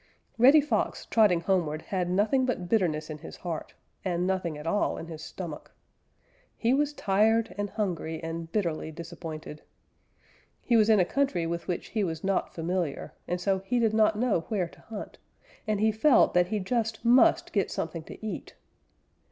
_ Reddy Fox, trotting homeward, had nothing but bitterness in his heart, and nothing at all in his stomach. He was tired and hungry and bitterly disappointed. He was in a country with which he was not familiar, and so he did not know where to hunt, and he felt that he just must get something to eat.